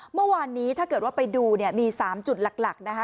เมื่อวานนี้ถ้าเกิดว่าไปดูเนี่ยมี๓จุดหลักนะคะ